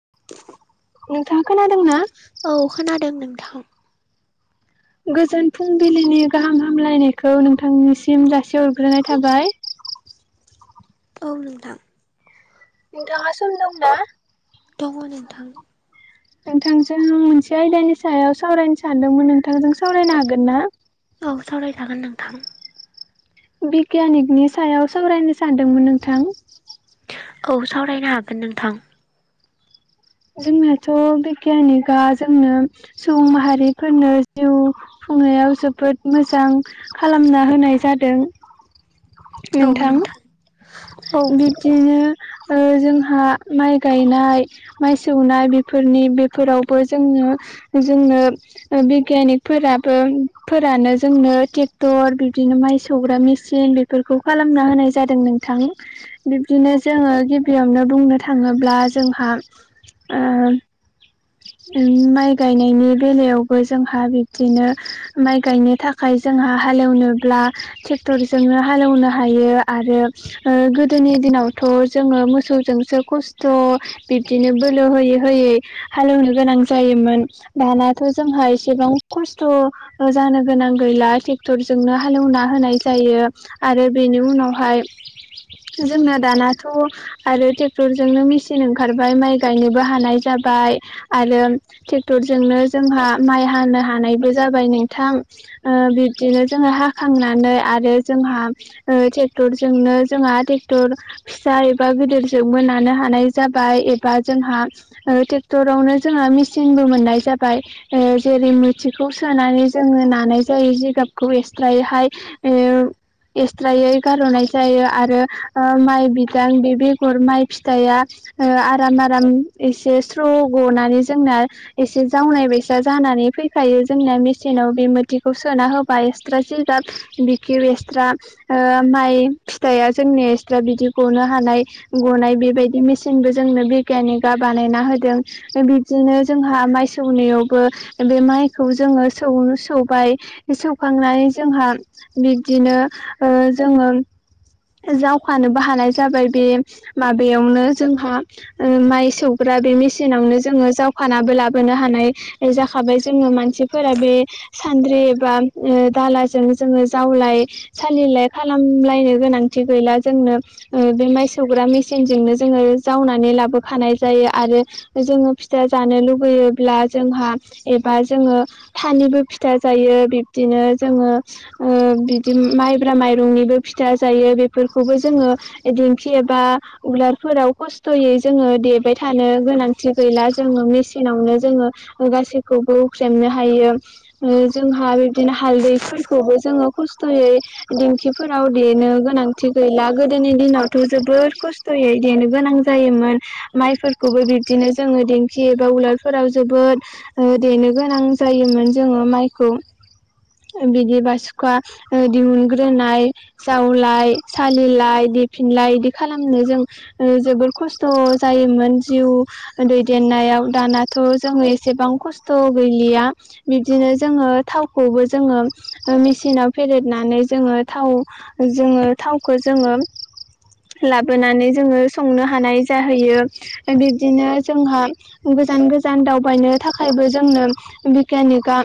[inaudible] नोंथां खोनादोंना औ खोनादों नोंथां गोजोन फुंबिलिनि गाहाम हामलायनायखौ नोंथांनिसिम जासिहरग्रोनाय थाबाय औ नोंथां नोंथाङा सम दंना दङ नोंथां नोंथांजों मोनसे आयदानि सायाव सावरायनो सानदोंमोन नोंथांजों सावरायनो हागोनना? औ सावराय जागोन नोंथां बिगियानिकनि सायाव सावरायनो सानदोंमोन नोंथां‌ औ सावरायनो हागोन नोंथां जोंनाथ' बिगियानिकआ जोंनो सुबुं माहारिफोरनो जिउ खुंनायाव जोबोद मोजां खालामना होनाय जादों नोंथां औ बि बिदिनो ओ जोंहा माइ गायनाय माइ सौनाय बेफोरनि बेफोरावबो जोङो जोंनो बिगियानिकफोराबो फोरानो जोंनो ट्रेक्टर बिबदिनो माइ सौग्रा मेसिन बेफोरखौ खालामना होनाय जादों नोंथां बिब्दिनो औ जोङो गिबियावनो बुंनो थाङोब्ला जोंहा ओ माइ गायनायनि बेलायावबो जोंहा बिब्दिनो माइ गायनो थाखाय जोंहा हाल एवनोब्ला ट्रेक्टरजोंनो हाल एवनो हायो आरो ओ गोदोनि दिनावथ' जोङो मोसौजोंसो खस्थ' बिदिनो बोलो होयै होयै हाल एवनो गोनां जायोमोन दानाथ' जोंहा एसेबां खस्थ' जानो गोनां गैला ट्रेक्टरजोंनो हाल एवना होनाय जायो। आरो बेनि उनावहाय जोंना दानाथ' आरो ट्रेक्टरजोंनो मेचिन ओंखार ओमफाय माइ गायनोबो हानाय जाबाय आरो ट्रेक्टरजोंनो जोंहा माइ हानो हानायबो जाबाय नोंथां ओ बिब्दिनो जोङो हाखांनानै आरो जोंहा ओ ट्रेक्टर जोंनो जोंहा ट्रेक्टर फिसा एबा गोदिरजोंबोनो नानो हानाय जा बाय एबा जोंहा ट्रेक्टरावनो जोंहा मेचिंबो मोननाय जाबाय ओ जेरै मोथिखौ सोनानै जोङो नानाय जायो जिगाबखौ एसट्रायैहाय एउ एसथ्रायै गार'नाय जायो आरो ओ माइ बिदां बे बेगर माइ फिथाइया ओ आराम आराम एसे स्र' गनानै जोंना एसे जावनाय बैसा जानानै फैखायो जोंना मेचिनाव बे मोथिखौ सोना हो बा एक्सट्रा जिगाब खि एक्सट्रा ओ माइ फिथाइया जोंनि एक्सट्रा बिदि गनो हानाय गनाय बेबायदि मेचिंबो जोंनो बिगियानिकआ बानायना होदों बिबदिनो जोंहा माइ सौनायावबो बे माइखौ जोङो सौ सौबाय सौखांनानै जोंहा बिब्दिनो ओ जोङो जावखानोबो हानाय जाबाय बे माबायावनो जोंहा ओ माइ सौ सोग्रा बे मेचिनावनो जोङो जा खानाबो लाबोनो हानाय जाखाबाय जोंङो मानसिफोरा बे सान्द्रि एबा ओ दालाजों जोङो जावलाय सालिलाय खालामलायनो गोनांथि गैला जोंनो ओ बे माइ सौग्रा मेचिनजोंनो जोङो जावनानै लाबोखानाय जायो आरो जोङो फिथा जानो लुुबैयोब्ला जोंहा एबा जोङो थालिबो फिथा जायो बिब्दिनो जोङो बिदि माइब्रा माइरंनिबो फिथा जायो बेफोरखौबो जोङो दिंखि एबा उवाल फोराव खस्थ'यै जोङो देबाय थानो गोनांथि गैला जोङो मेसिनावनो जोङो गासैखौबो हुख्रेमनो हायो। जोंहा बिदिनो हालदैफोरखौबो जोङो खस खस्थ'यै दिंखिफोराव देनो गोनांथि गैला गोदोनि दिनावथ' जोबोर खस्थ'यै देनो गोनां जायोमोन माइफोरखौबो बिब्दिनो जोङो दिेंखि एबा उवाल फोराव जोबोद देनो गोनां जायोमोन जोङो माइखौ बिदि बासुखा दिहुनग्रोनाय जावलाय सालिलाय बिदिफिनलाय इदि खालामनो जों जोबोर खस्थ' जायोमोन जिउ दैदेननायाव दानाथ' जोङो एसेबां खस्थ' गैलिया बिब्दिनो जोङो थावखौबो जोङो मेचिनाव फेदेरनानै जोङो थाव जोङो थावखौ जोङो लाबोनानै जोङो संनो हानाय जाहैयो बिब्दिनो जोंहा गोजान गोजान दावबायनो थाखायबो जोंनो बिगियानिका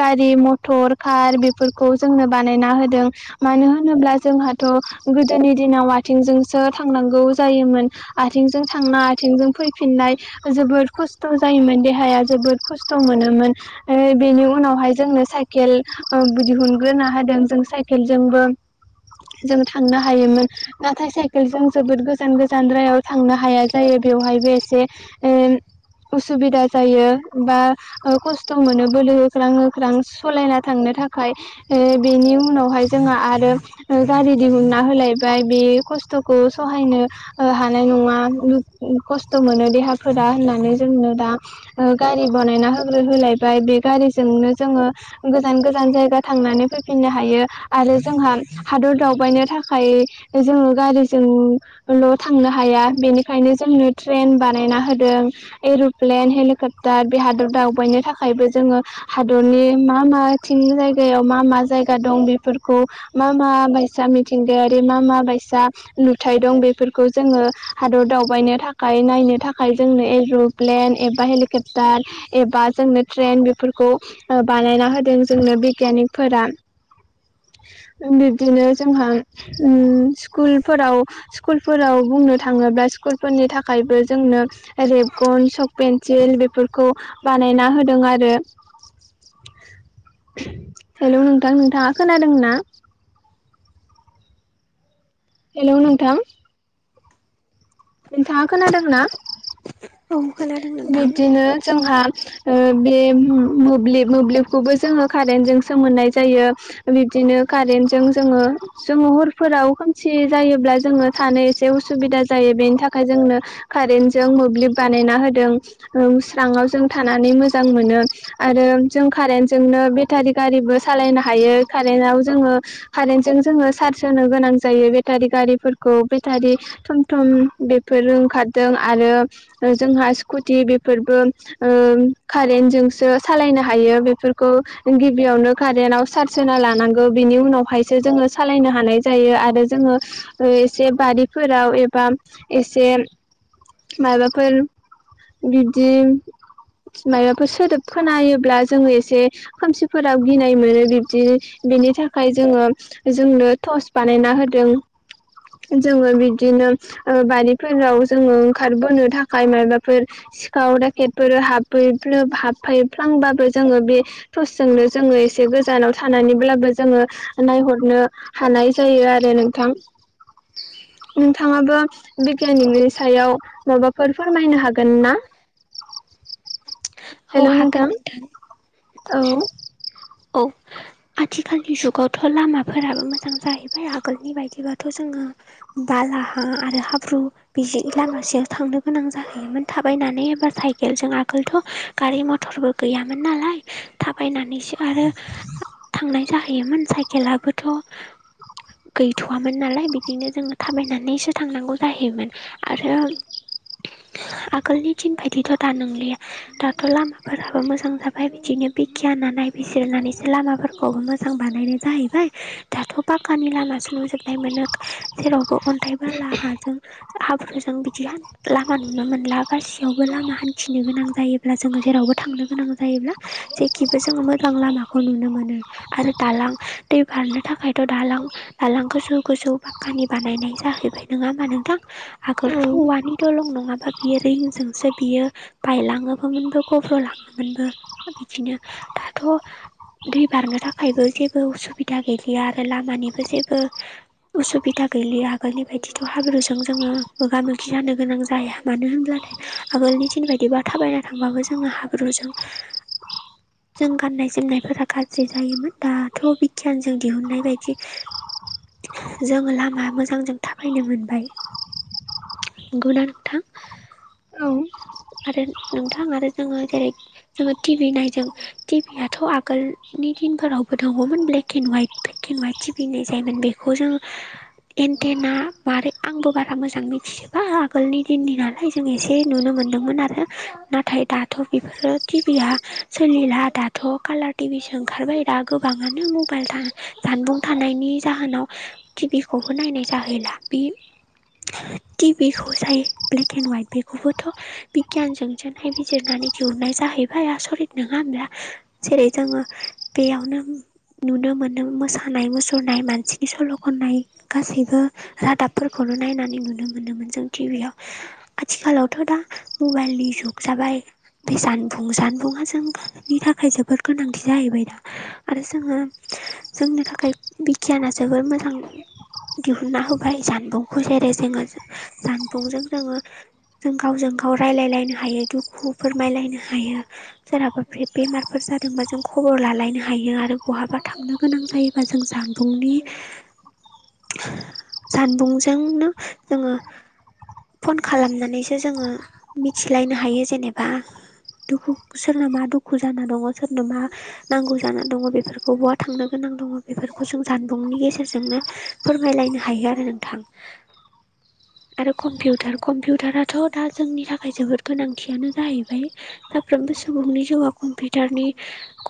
गारि मथर कार बेफोरखौ जोंनो बानायना होदों मानो होनोब्ला जोंहाथ' गोदोनि दिनाव आथिंजोंसो थांनांगौ जायोमोन। आथिंजों थांना आथिंजों फैफिननाय जोबोद खस्थ' जायोमोन देहाया जोबोद खस्थ' मोनोमोन। बेनि उनावहाय जोंनो साइकेल दिहुनग्रोना होदों जों साइकेलजोंबो जों थांनो हायोमोन नाथाय साइकेल जों जोबोद गोजान गोजानद्रायाव थांनो हाया जायो बेवहायबो एसे उसुबिदा जायो बा खस्थ' मोनो बोलो होख्रां होख्रां सलायना थांनो थाखाय बेनि उनावहाय जोंहा आरो गारि दिहुनना होलायबाय बे खस्थ'खौ सहायनो हानाय नङा खस्थ' मोनो देहाफोरा होननानै जोंनो दा गारि बानायना होग्रो होलायबाय बे गारिजोंनो जोङो गोजान गोजान जायगा थांनानै फैफिननो हायो आरो जोंहा हादर दावबायनो थाखाय जोङो गारिजोंल' थांनो हाया बेनि ओंखायनो जोंनो ट्रेन बानायना होदों। एर'प्लेन हेलिकप्टार बे हादर दावबायनो थाखायबो जोङो हादरनि मा माथिं जायगायाव मा मा जायगा दं बेफोरखौ मा मा बायसा मिथिंगायारि मा मा बायसा नुथाय दं बेफोरखौ जोङो हादर दावबायनो थाखाय नायनो थाखाय जोंनो ए [unintelligible] प्लेन एबा हेलिकप्टार एबा जोंनो ट्रेन बेफोरखौ ओ बानायना होदों जोंनो बिगियानिफोरा बिब्दिनो जोंहा स्कुलफोराव स्कुलफोराव बुंनो थाङोब्ला स्कुलफोरनि थाखायबो जोंनो रेबगन सक पेन्सिल बेफोरखौ बानायना होदों आरो। हेलौ नोंथां नोंथाङा खोनादों ना? हेल' नोंथां। नोंथाङा खोनादों ना? औ खोनादों। नोंथां बिब्दिनो जोंहा बे मोब्लिब मोब्लिबखौबो जोङो कारेन्टजों सो मोनोननाय जायो। बिबदिनो कारेन्टजों जोङो जोङो हरफोराव खोमसि जायोब्ला जोङो थानो एसे उसुबिदा जायो बेनि थाखाय जोंनो कारेन्टजों मोब्लिब बानायना होदों स्राङाव जों थानानै मोजां मोनो। आरो जों कारेन्टजोंनो बेटारि गारिबो सालायनो हायो कारेन्टाव जोङो कारेन्टजों जोङो चार्ज होनो गोनां जायो बेटारि गारिफोरखौ बेटारि थम थम बेफोर ओंखारदों आरो जोंहा गुदियै बेफोरबो कारेेनट जोंसो सालायनो हायो बेफोरखौ गिबियावनो कारेन्टाव सार्ज होना लानांगौ बिनि उनावहाय सो जोङो सालायनो हानाय जायो आरो जोङो एसे बारिफोराव एबा एसे माबाफोर बिब्दि माबाफोर सोदोब खोनायोब्ला जोङो एसे खोमसिफोराव गिनाय मोनो बिब्दि बेनि थाखाय जोङो जोंनो टर्स बानायना होदों। जोङो बिदिनो बारिफोराव जोङो ओंखारबोनो थाखाय मायबा फोर सिखाव दकेटफोर हाबफैफ्ल हाबफैफ्लांबाबो जोङो बे टर्सजोंनो जोङो एसे गोजानाव थानानैब्लाबो जोङो नायहरनो हानाय जायो आरो नोंथां। नोंथाङाबो बिगियानिकनि सायाव माबाफोर फोरमायनो हागोन ना? औ हागोन नोंथां। औ। औ। आथिखालनि जुगावथ लामाफोराबो मोजां जाहैबाय आगोलनि बायदिबाथ जोङो बाला हा आरो हाब्रु। बिदि लामासेयाव थांनो गोनां जाहैयोमोन थाबायनानै एबा साइकेलजों आगोलथ' गारि मथरबो गैयामोन नालाय थाबायनानैसो आरो थांनाय जाहैयोमोन साइकेलाबोथ' गैथवामोन नालाय बिदिनो जोङो थाबायनानैसो थांनांगौ जाहैयोमोन। आरो आगोलनि थिन बायदिथ दा नंलिया। दाथ लामाफोराबो मोजां जाबाय बिदिनो बिगियाना नाय बिसोरनानैसो लामाफोरखौबो मोजां बानायनाय जाहैबाय दाथ'पाकखनि लामासो नुजोबबाय नाय मोनो जेरावबो अन्थाइ बाला हाजों हाब्रुजों बिदि लामा नुनो मोनला गाैयावबो लामा हान्थिनो गोनां जायोब्ला जोङो जेरावबो थांनो गोनां जायोब्ला जेखिबो जोङो मो जां लामाखौ नुनो मोनो आरो दालां दै बारनो थाखायथ दालां दालां गोजौ गोजौ पाकानि बानायनाय जाहैबाय नङा होमबा नोंथां। औ आगोलथ औवानि दलं नङाबा बियो रिंजोंसो बियो। बायलाङोबोमोनबो गब्रलाङोमोनबो बिदिनो थ दै बारनो थाखायबो जेबो उसुबिदा गैलिया आरो लामानिबो जेबो असुबिदा गैलिया आगोलनि बायदिथ हाब्रुजों जोङो मोगा मोगि जानो गोनां जाया मानो होनब्लाथाय आगोलनि दिन बायदिबा थाबायना थांबाबो जोङो हाब्रुजों जों गाननाय जोमनायफोरा गाज्रि जायोमोन दाथ बिगियानजों दिहुन्नाय बायदि जोङो लामा मोजांजों थाबायनो मोनबाय। नंगौना नोंथां? औ आरो नोंथां आरो जोङो जेरै जोङो टि भि नायदों टिभिआथ आगोलनि दिनफोरावबो दङमोन black and white black and white TV [unintelligible] जायोमोन बेखौ जों एन्टेना मारै आंबो बारा मोजां मिथिजोबा आगोलनि दिननि नाल नाथाय जों एसे नुनो मोन्दोंमोन आरो नाथाय दाथ बेफोरो टिबिया सोलिला। दाथ कालार टिभिसो ओंखारबाय दा गोबाङानो मबाइल जानबुं थानायनि जाहोनाव टिभिखौबो नायनाय जाहैला बे टिभिखौ जाय ब्लेक एन्ड हाइट बेखौबोथ बिगियानजोंजोंहाय बिजिरनानै दिहुननाय जाहैबाय आसरित नोङा होनब्ला? जेरै जोङो बेयावनो नुनो मोनो मोसानाय मुसुरनाय मानसिनि सल खननाय गासैबो रादाबफोरखौनो नायनानै नुनो मोनोमोन जों टिभियाव। आथिखालावथ' दा मबाइलनि जुग जाबाय बे जानबुं जानबुङा जों नि थाखाय जोबोद गोनांथि जाहैबाय दा आरो जोङो जोंनि थाखाय बिगियाना जोबोर मोजां। दिहुनना होबाय जानबुंखौ जेरै जोङो जानबुंजों जोङो जों गावजों गाव रायलायलायनो हायो दुखु फोरमायलायनो हायो सोरहाबा बे बेमारफोर जादोंबा जों खबर लालायनो हायो आरो बहाबा थांनो गोनां जायोबा जों जानबुंनि [inaudible] जानबुंजोंनो जोङो फन खालामनानैसो जोङो मिथिलायनो हायो जेनेबा दुखु सोरना मा दुखु जाना दङ सोरनो मा नांगौ जानानै दङ बेफोरखौ बहा थांनो गोनां दङ बेफोरखौ जों जानबुंनि गेजेरजोंनो फोरमायलायनो हायो आरो नोंथां। [inaudible] आरो कम्पिउटार कम्पिउटाराथ' दा जोंनि थाखाय जोबोद गोनांथियानो जाहैबाय। साफ्रोमबो सुबुंनि जिउआ कम्पिउटारनि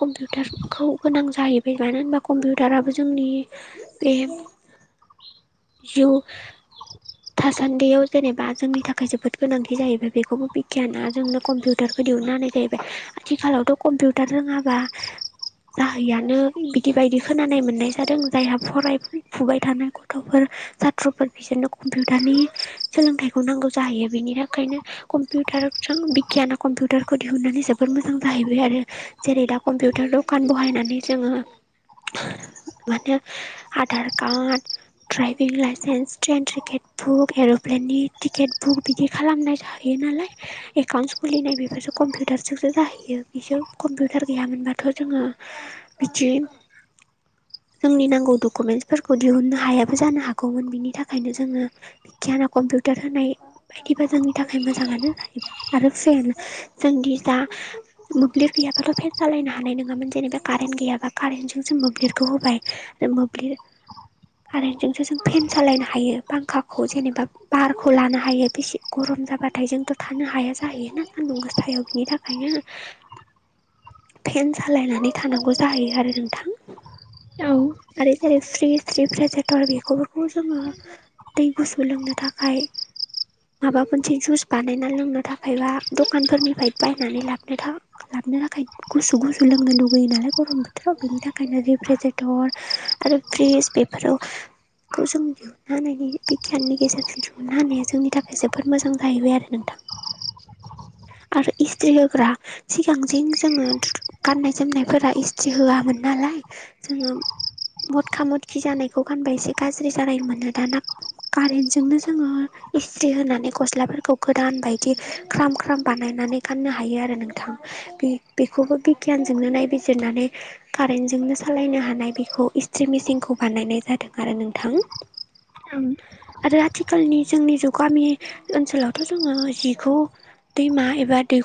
कम्पिउटारखौ गोनां जाहैबाय मानो होनबा कम्पिउटाराबो जोंनि बे जौ [inaudible] थासान्दियाव जेनेबा जोंनि थाखाय जोबोद गोनांथि जाहैबाय बेखौबो बिगियाना जोंनो कम्पिउटार दिहुननो हानाय जाहैबाय आथिखालावथ' कम्पिउटार रोङाबा जाहैयानो बिदि बायदि खोनानाय मोननाय जादों जायहा फरायफुबाय थानाय गथ'फोर साथ्र'फोर बिसोरनो कम्पिउटारनि सोलोंथाइखौ जाहैयो बेनि थाखायनो कम्पिउटारजों बिगियाना कम्पिउटारखौ दिहुननानै जोबोर मोजां मोजां जाहैबाय आरो जेरै दा कम्पिउटार दखान बहायनानै जोङो माथो Aadhaar card driving licence, train ticket book, एर'प्लेननिसं टिकेट बुक बिदि खालामनाय जा हायो नालाय एकाउन्ट खुलिनाय बेफोरसो कम्पिउटारजोंसो जायो। बियो बिसोर कम्पिउटार गैयामोनबाथ' जोङो बिदि जोंनि नांगौ डकुमेन्टसफोरखौ दिहुननो हायाबो जानो हागौमोन बिनि थाखायनो जोङो खियाना कम्पिउटार होनाय बायदिबा जोंनि थाखाय मोजाङानो जाहैबाय आरो फेन जोंनि जा मोब्लिब गैयाब्लााथ' फेेन सालायनो हानाय नङामोन जेनेबा कारेन्ट गैयाबा कारेन्टजों जों मोब्लिबखौ होबाय। ओ मोब्लिब कारेनजोंसो जों फेन सालायनो हायो फांखाखौ जेनेबा बारखौ लानो हायो। बेसे गरम जाबाथाय जोंथ' थानो हाया जाहैयोना सान्दुं गोसायाव बिनि थाखायनो। फेन सालायनानै थानांगौ जाहैयो आरो नोंथां। औ आरो जेरै फ्रिज रिफ्रिजेटर बेफोरखौ जोङो दै गुसु लोंनो थाखाय माबा मोनसे जुइस बानायना लोंनो थाखायबा दखानफोरनिफ्राय बायनानै लाबो था लाबनो थाखाय गुसु गुसु लोंनो लुगैयो नालाय गरम बोथोराव बिनि थाखायनो रिफ्रेजेटर आरो ब्रिज बेफोराव खौ जों दिहुननो हानायनि बिगियाननि गेजेरजों थुना हानाया जोंनि थाखाय जोबोर मोजां जाहैबाय आरो नोंथां। आरो इस्ट्रि होग्रा सिगांजे जोङो गाननाय जोमनायफोरा एस्थ्रि होआमोन नालाय जोङो मथखा मदखि जानायखौ गानबाय एसे गाज्रि जानाय मोनो दाना कारेनजोंनो जोङो। इस्ट्रि होनानै गस्लाफोरखौ गोदान बायदि ख्राम ख्राम बानायनानै गाननो हायो आरो नों थां बेखौबो बिगियानजोंनो नायबिजिरनानै कारेन्टजोंनो सालायनो हानाय बेखौ इट्रि मेचिनखौ बानायनाय जादों आरो नोंथां। ओं। आरो आथिखालनि जोंनि जा गामि ओनसोलावथ जोङो हिखौ दैमा एबा दैख